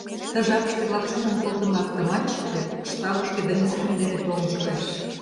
Ты жапыште Лапшинын колтымо автоматчикше штабышке донесений дене толын шуэш.